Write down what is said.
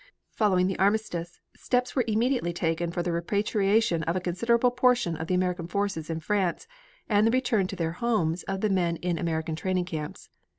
Following the armistice, steps were immediately taken for the repatriation of a considerable portion of the American forces in France and the return to their homes of the men in American training camps.